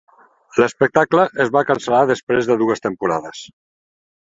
L'espectacle es va cancel·lar després de dues temporades.